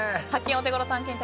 オテゴロ探検隊